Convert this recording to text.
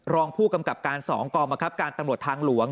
รองผู้กำกับการ๒กองบังคับการตำรวจทางหลวง